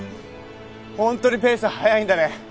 本当にペース速いんだね。